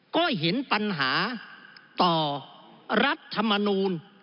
ก็เห็นปัญหาต่อรัฐมนูล